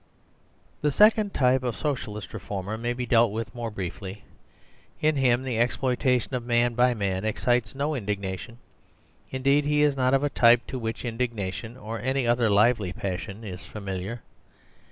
(b) The second type of socialist reformer may be dealt with more briefly. In him the exploitation of man by man excites no indignation. Indeed, he is not of a type to which indignation or any other lively passion is familiar.